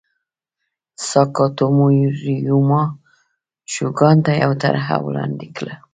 ساکاتومو ریوما شوګان ته یوه طرحه وړاندې کړه.